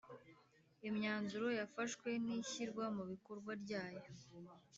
Imyanzuro yafashwe n’ishyirwa mubikorwa ryayo ;